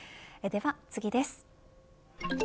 では次です。